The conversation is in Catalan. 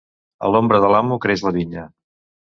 A l'ombra de l'amo creix la vinya.